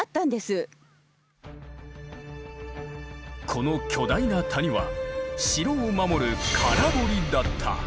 この巨大な谷は城を守る空堀だった。